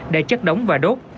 để chất đóng và đốt